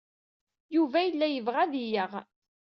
Yuba yella yebɣa ad iyi-yaɣ.